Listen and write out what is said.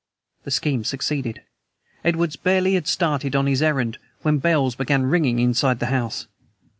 The scheme succeeded. Edwards barely had started on his errand when bells began ringing inside the house.